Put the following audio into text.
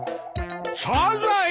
サザエ！